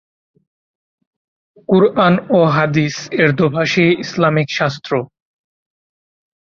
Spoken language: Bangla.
কুরআন ও হাদীস এর দোভাষী, ইসলামিক শাস্ত্র।